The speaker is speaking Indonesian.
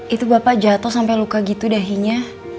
itu bapak jatuh sampai luka gitu dahinya